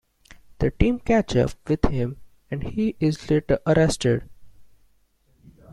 The team catch up with him and he is later arrested.